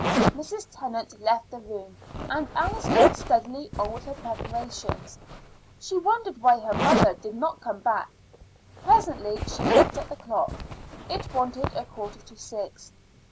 Mrs. Tennant left the room, and Alice went steadily on with her preparations. She wondered why her mother did not come back. Presently she looked at the clock. It wanted a quarter to six.